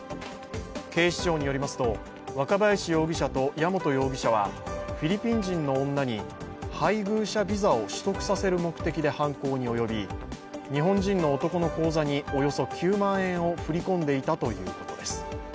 警視庁によりますと、若林容疑者と矢本容疑者はフィリピン人の女に配偶者ビザを取得させる目的で犯行に及び、日本人の男の口座におよそ９万円を振り込んでいたということです。